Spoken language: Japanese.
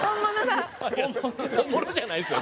本物じゃないですよ